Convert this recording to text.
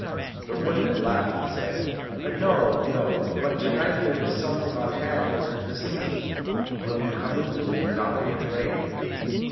The woodman laughed and said, "No, no, but to night there is something on hand worth the seeing. Will you come with me and not be afraid?"